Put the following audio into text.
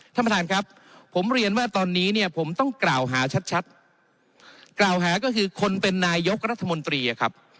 ท่านประธานครับผมเรียนว่าตอนนี้เนี่ยผมต้องกล่าวหาชัดชัดกล่าวหาก็คือคนเป็นนายกรัฐมนตรีครับ